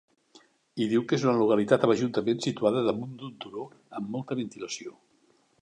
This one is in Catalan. Hi diu que és una localitat amb ajuntament situada damunt d'un turó, amb molta ventilació.